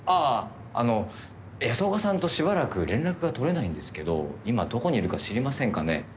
あの安岡さんとしばらく連絡が取れないんですけど今どこにいるか知りませんかね？